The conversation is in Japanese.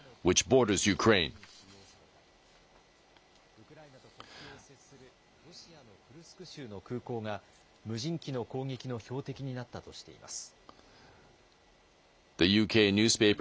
ウクライナと国境を接するロシアのクルスク州の空港が、無人機の攻撃の標的になったとしています。